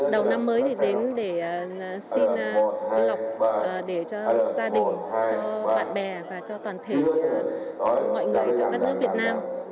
đầu năm mới thì đến để xin lọc để cho gia đình cho bạn bè và cho toàn thể mọi người cho đất nước việt nam